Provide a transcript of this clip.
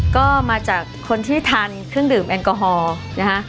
ก็มาจากคนที่ทานเครื่องดื่มแอลกอฮอล์นะคะ